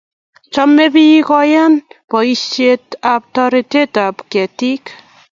chomei biik koyai boisetab toretetab ketik.